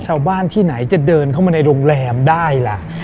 ชาวบ้านที่ไหนจะเดินเข้ามาในโรงแรมได้ล่ะ